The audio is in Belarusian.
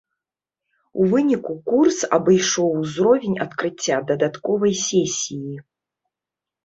У выніку курс абышоў узровень адкрыцця дадатковай сесіі.